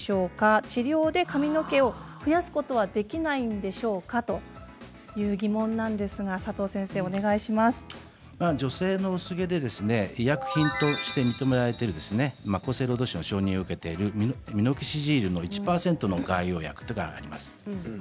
治療で髪の毛を増やすことは女性の薄毛で医薬品として認められている厚生労働省の承認を受けているミノキシジルの１％の外用薬があります。